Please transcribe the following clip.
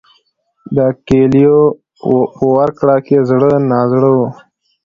د کیلیو په ورکړه کې زړه نازړه و.